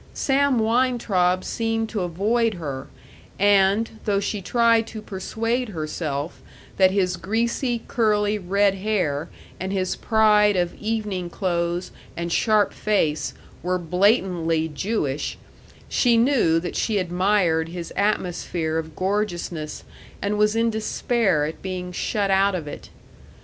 Sam Weintraub seemed to avoid her, and, though she tried to persuade herself that his greasy, curly, red hair and his pride of evening clothes and sharp face were blatantly Jewish, she knew that she admired his atmosphere of gorgeousness and was in despair at being shut out of it.